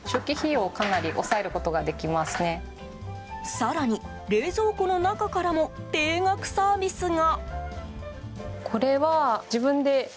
更に、冷蔵庫の中からも定額サービスが。